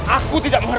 aku tidak mengerti